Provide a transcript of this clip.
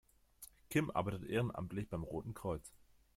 Kim arbeitet ehrenamtlich beim Roten Kreuz.